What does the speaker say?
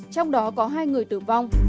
trong đó có hai người tử vong